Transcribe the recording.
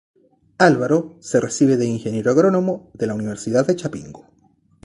Álvaro se recibe de Ingeniero agrónomo de la Universidad de Chapingo.